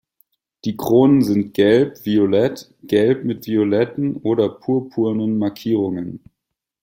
Die Kronen sind gelb, violett, gelb mit violetten oder purpurnen Markierungen.